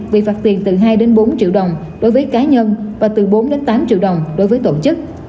bị phạt tiền từ hai bốn triệu đồng đối với cá nhân và từ bốn tám triệu đồng đối với tổ chức